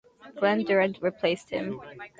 Glen Durrant replaced him.